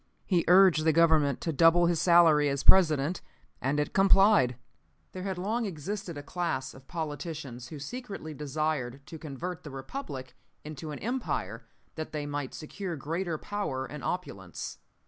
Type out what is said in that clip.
He urged the Government to double his salary as President, and it complied. "There had long existed a class of politicians who secretly desired to convert the Republic into an Empire, that they might secure greater power and opulence.